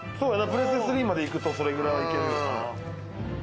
プレステ３まで行くとそれぐらい行けるよな。